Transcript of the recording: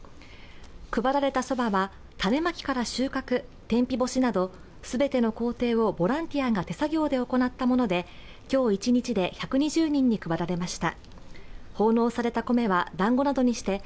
配られたそばは、種まきから収穫、天日干しなど全ての工程をボランティアが手作業で行ったもので今日一日で１２０人に配られました。